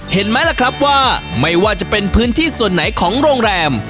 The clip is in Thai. เห็นไหมล่ะครับว่าไม่ว่าจะเป็นพื้นที่ส่วนไหนของโรงแรม